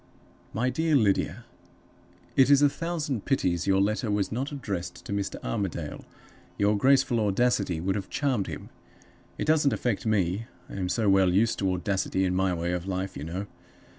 "MY DEAR LYDIA It is a thousand pities your letter was not addressed to Mr. Armadale; your graceful audacity would have charmed him. It doesn't affect me; I am so well used to audacity in my way of life, you know.